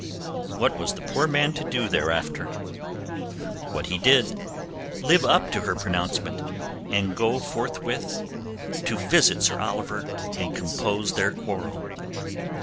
What was the poor man to do thereafter? What he did. Live up to her pronouncement, and go forthwith to visit Sir Oliver and compose their quarrel.